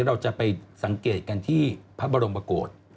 เราจะไปสังเกตกันที่พระบรมโกศ